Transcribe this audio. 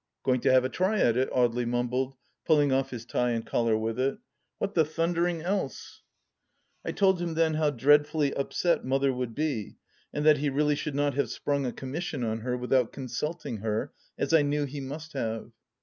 " Going to have a try at it !" Audely mumbled, pulling oft his tie and collar with it. " What the thundering else ?" I told him then how dreadfxilly upset Mother would be, and that he really should not have sprung a commission on her without consulting her, as I knew he must have.